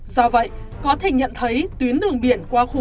do vậy có thể nhận thấy tuyến đường biển qua khu vực